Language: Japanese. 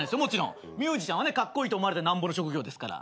ミュージシャンはねカッコイイと思われてなんぼの職業ですから。